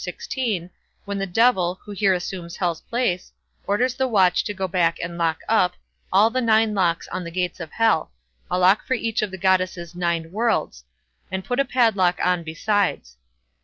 xvi, when the Devil, who here assumes Hel's place, orders the watch to go back and lock up all the nine locks on the gates of Hell —a lock for each of the goddesses nine worlds—and to put a padlock on besides.